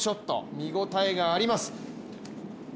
見応えがあります。